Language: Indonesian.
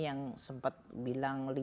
yang sempat bilang